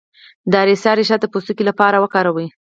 د اریسا ریښه د پوستکي لپاره وکاروئ